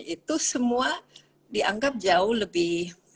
itu semua dianggap jauh lebih